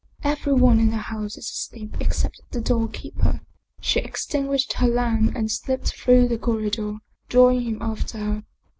Every one in the house is asleep except the doorkeeper." She extinguished her lamp and slipped through the cor ridor, drawing him after her.